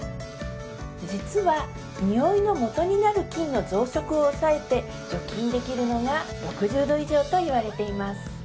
実はニオイのもとになる菌の増殖をおさえて除菌できるのが６０℃以上と言われています